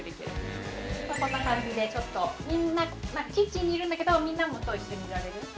こんな感じでちょっとみんなまあキッチンにいるんだけどみんなと一緒にいられる。